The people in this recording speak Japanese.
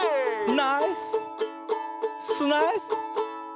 ナイススナイス！